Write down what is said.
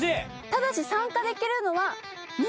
ただし参加できるのは２名だけ。